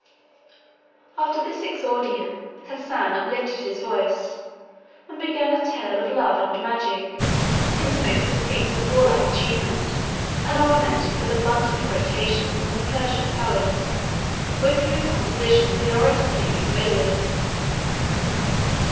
After this exordium, Hassan uplifted his voice, and began a tale of love and magic, intermixed with feats of warlike achievement, and ornamented with abundant quotations from the Persian poets, with whose compositions the orator seemed familiar.